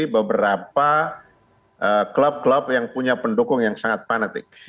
beberapa klub klub yang punya pendukung yang sangat fanatik